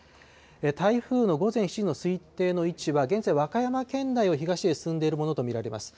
台風の午前７時の推定の位置は現在、和歌山県内を東へ進んでいるものと見られます。